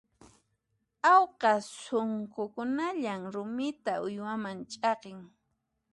Awqa sunqukunalla rumita uywaman ch'aqin.